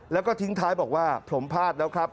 แล้วก็ทิ้งท้ายบอกว่าผมพลาดแล้วครับ